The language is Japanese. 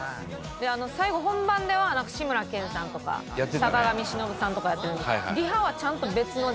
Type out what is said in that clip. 本番では志村けんさんとか坂上忍さんとかやってるのに。